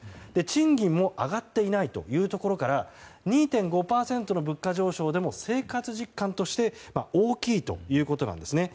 賃金も上がっていないというところから２．５％の物価上昇でも生活実感として大きいということなんですね。